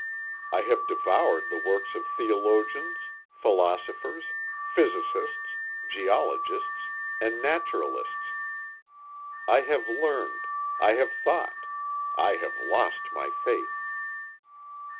I have devoured the works of theologians, philosophers, physicists, geologists, and naturalists. I have learnt. I have thought. I have lost my faith."